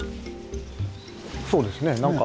そうですねなんか。